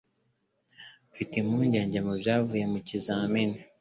Mfite impungenge kubyavuye mu kizamini.